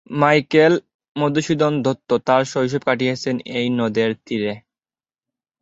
Michael Madhusudan Dutt তার শৈশব কাটিয়েছেন এই নদের তীরে।